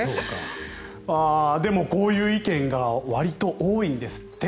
でもこういう意見がわりと多いんですって。